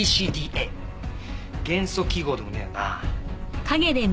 元素記号でもねえよな。